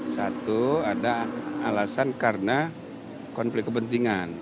satu ada alasan karena konflik kepentingan